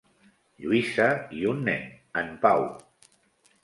Lluïsa, i un nen, en Pau.